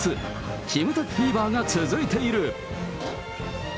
キムタクフィーバーが続いている。